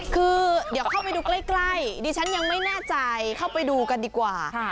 คือเดี๋ยวเข้าไปดูใกล้ดิฉันยังไม่แน่ใจเข้าไปดูกันดีกว่า